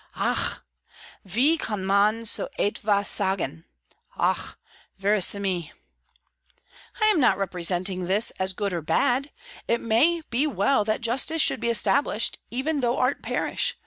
("Ach!" "Wie kann man so etwas sagen!" "Hoch! verissime!") "I am not representing this as either good or bad. It may be well that justice should be established, even though art perish.